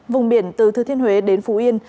vùng biển từ thư thiên huế đến phú yên